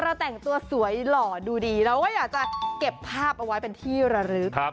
เราแต่งตัวสวยหล่อดูดีเราก็อยากจะเก็บภาพเอาไว้เป็นที่ระลึก